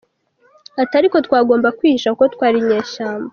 Ati “Ariko twagomba kwihisha kuko twari inyeshyamba.